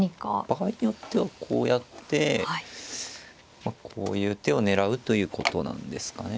場合によってはこうやってまあこういう手を狙うということなんですかね。